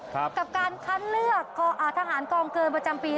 กับการคัดเลือกทหารกองเกินประจำปี